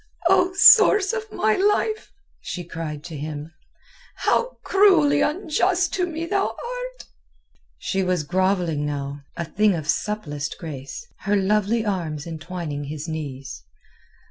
"O source of my life!" she cried to him, "how cruelly unjust to me thou art!" She was grovelling now, a thing of supplest grace, her lovely arms entwining his knees.